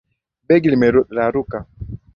Begi limeraruka.